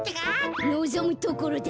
のぞむところだ。